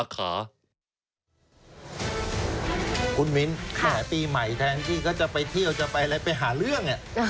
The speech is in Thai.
คุณมิ้นแหมปีใหม่แทนที่เขาจะไปเที่ยวจะไปอะไรไปหาเรื่อง